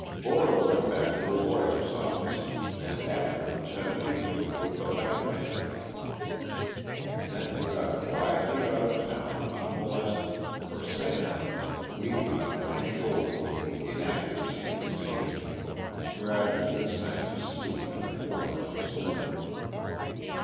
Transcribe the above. Buller went back to the lawyer's office, and afterwards had an interview with the bank manager. Then he got quietly out of town unmolested, for Sam, weeping on Mike's shoulder over the inaccuracy of his aim, gradually sank to sleep in a corner of the saloon.